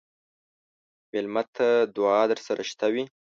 مېلمه ته دعا درسره شته وي.